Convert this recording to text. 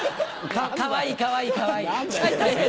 かわいい、かわいい、かわいい。